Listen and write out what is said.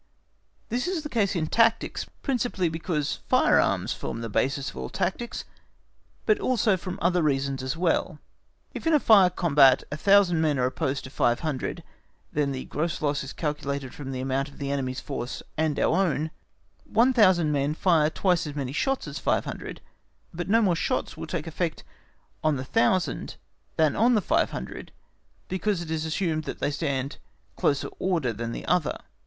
This is the case in tactics, principally because firearms form the basis of all tactics, but also for other reasons as well. If in a fire combat 1000 men are opposed to 500, then the gross loss is calculated from the amount of the enemy's force and our own; 1000 men fire twice as many shots as 500, but more shots will take effect on the 1000 than on the 500 because it is assumed that they stand in closer order than the other.